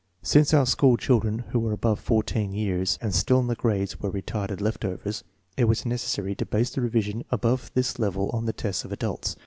Since our school children who were above 14 years and still in the grades were retarded left overs, it was neces sary to base the revision above this level on the tests of adults.